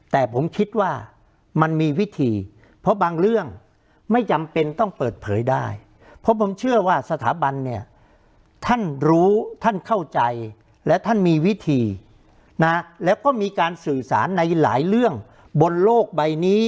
ท่านเข้าใจและท่านมีวิธีนะแล้วก็มีการสื่อสารในหลายเรื่องบนโลกใบนี้